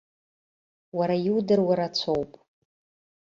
Уара иудыруа рацәоуп.